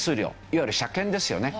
いわゆる車検ですよね。